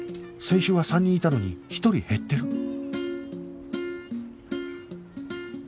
先週は３人いたのに１人減ってる